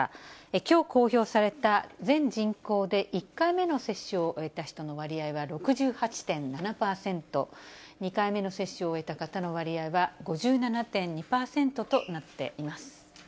きょう公表された、全人口で１回目の接種を終えた人の割合は６８．７％、２回目の接種を終えた方の割合は５７．２％となっています。